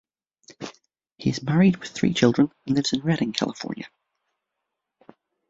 He is married with three children and lives in Redding, California.